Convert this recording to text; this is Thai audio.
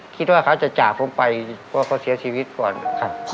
คิดว่าเขาจะจากผมไปเพราะเขาเสียชีวิตก่อนครับ